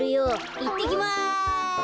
いってきます。